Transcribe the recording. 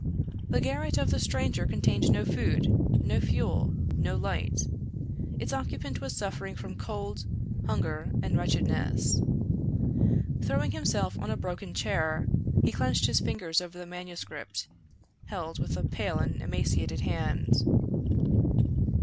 The garret of the stranger contained no food, no fuel, no light; its occupant was suffering from cold, hunger, and wretchedness. Throwing himself on a broken chair, he clenched his fingers over the manuscript, held within a pale and emaciated hand.